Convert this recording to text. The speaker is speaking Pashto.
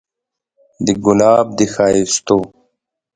د ګلاب د ښايستو